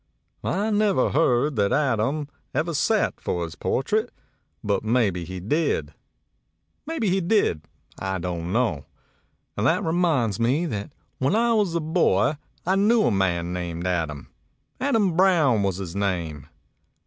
I never heard that Adam ever sat for his portrait but maybe he did. Maybe he did, I don't know. And that reminds me that when I was a boy I knew a man named Adam, Adam Brown was his name."